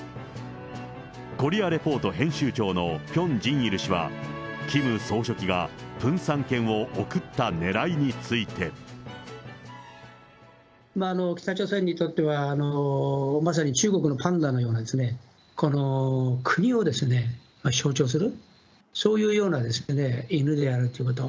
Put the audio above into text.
コリア・レポート編集長のピョン・ジンイル氏は、キム総書記がプンサン犬を贈ったねらいについて。北朝鮮にとっては、まさに中国のパンダのような、国を象徴する、そういうような犬であるということ。